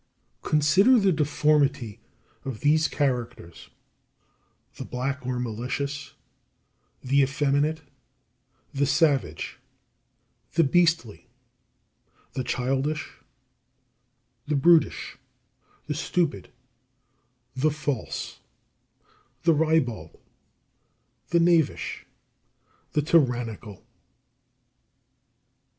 28. Consider the deformity of these characters: the black or malicious, the effeminate, the savage, the beastly, the childish, the brutish, the stupid, the false, the ribald, the knavish, the tyrannical.